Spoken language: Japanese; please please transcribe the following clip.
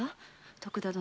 徳田殿。